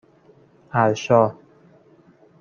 ارشا